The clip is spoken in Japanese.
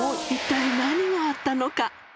一体何があったのか。